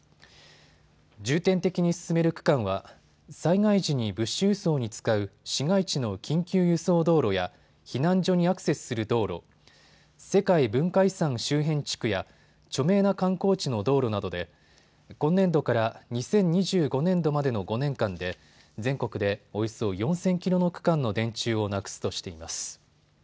重点的に進める区間は災害時に物資輸送に使う市街地の緊急輸送道路や避難所にアクセスする道路、世界文化遺産周辺地区や著名な観光地の道路などで今年度から２０２５年度までの５年間で全国でおよそ４０００キロの区間の電柱をなくすとしています。